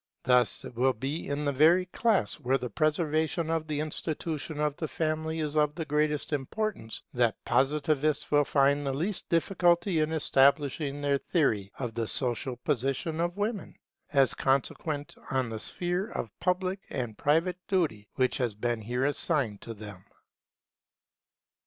Thus it will be in the very class where the preservation of the institution of the family is of the greatest importance, that Positivists will find the least difficulty in establishing their theory of the social position of women, as consequent on the sphere of public and private duty which has been here assigned to them.